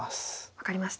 分かりました。